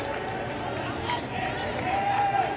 หลับหลับ